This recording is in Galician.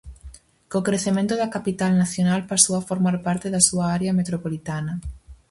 Co crecemento da capital nacional pasou a formar parte da súa área metropolitana.